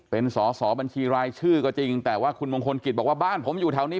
เป็นสอสอบัญชีรายชื่อก็จริงแต่ว่าคุณมงคลกิจบอกว่าบ้านผมอยู่แถวนี้